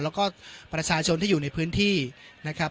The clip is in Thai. แล้วก็ประชาชนที่อยู่ในพื้นที่นะครับ